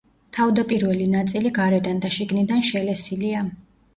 თავდაპირველი ნაწილი გარედან და შიგნიდან შელესილია.